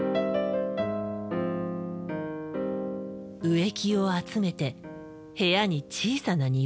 植木を集めて部屋に小さな庭をつくる。